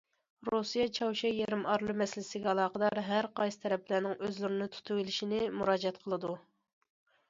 رۇسىيە چاۋشيەن يېرىم ئارىلى مەسىلىسىگە ئالاقىدار ھەر قايسى تەرەپلەرنىڭ ئۆزلىرىنى تۇتۇۋېلىشىنى مۇراجىئەت قىلىدۇ.